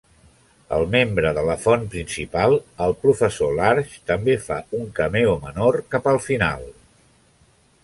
El membre de la font principal, el professor Large, també fa un cameo menor cap al final.